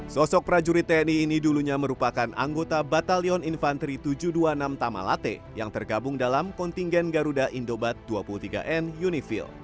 sosok prajurit tni ini dulunya merupakan anggota batalion infanteri tujuh ratus dua puluh enam tamalate yang tergabung dalam kontingen garuda indobat dua puluh tiga n unifil